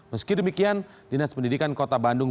meski demikian dinas pendidikan kota bandung